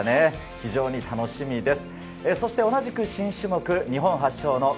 非常に楽しみです。